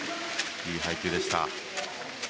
いい配球でした。